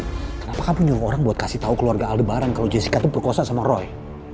kenapa kamu nyungku orang buat kasih tahu keluarga al debaran kalau jessica itu perkosa sama roy